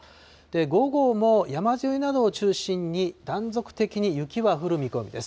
午後も山沿いなどを中心に断続的に雪が降る見込みです。